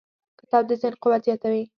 کتاب د ذهن قوت زیاتوي.